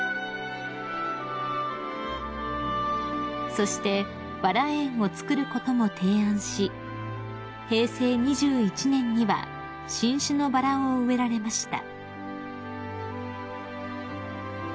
［そしてバラ園を造ることも提案し平成２１年には新種のバラを植えられました］